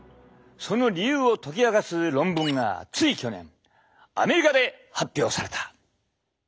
その理由を解き明かす論文がつい去年アメリカで発表された！